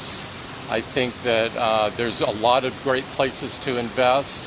saya pikir ada banyak tempat yang bagus untuk berinvestasi